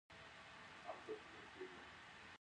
د درواز هوا ولې یخه ده؟